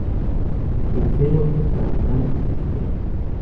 El tercero es octogonal, de sillar.